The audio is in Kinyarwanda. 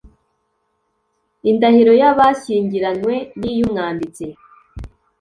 Indahiro y abashyingiranywe n iy umwanditsi